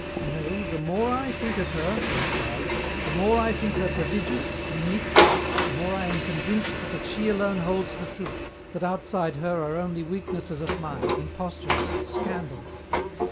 " No, the more I think of her," he cried, " the more I think her prodigious, unique, the more I am convinced that she alone holds the truth, that outside her are only weak nesses of mind, impostures, scandals.